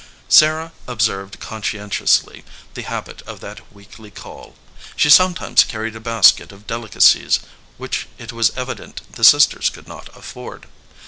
Sarah observed conscien tiously the habit of that weekly call. She some times carried a basket of delicacies which it was evident the sisters could not afford.